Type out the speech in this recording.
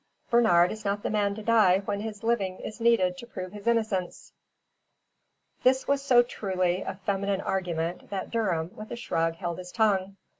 Bernard is not the man to die when his living is needed to prove his innocence." This was so truly a feminine argument that Durham, with a shrug, held his tongue.